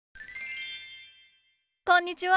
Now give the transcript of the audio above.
こんにちは。